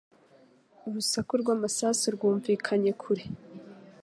Urusaku rw'amasasu rwumvikanye kure